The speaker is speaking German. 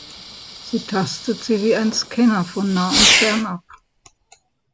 Sie tastet sie wie ein Scanner von nah und fern ab.